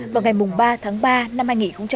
vào ngày ba tháng ba năm hai nghìn một mươi sáu